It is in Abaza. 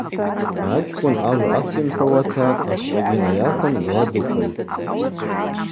Ачкӏвын ажва ацйымхӏвауата ашвъагьи найахвын мгӏва дыквылтӏ.